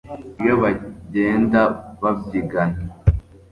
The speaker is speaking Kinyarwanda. iyo bangenda babyigana